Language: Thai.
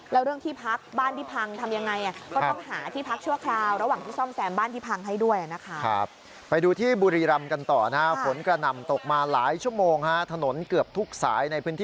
แล้วเรื่องที่พักบ้านที่พังทำอย่างไร